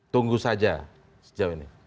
tunggu saja sejauh ini